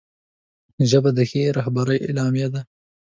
ژبه د ښې رهبرۍ علامه ده